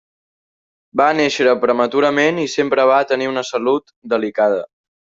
Va nàixer prematurament i sempre va tenir una salut delicada.